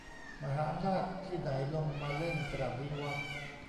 "มหาอำนาจที่ไหนลงมาเล่นขนาดนี้วะ"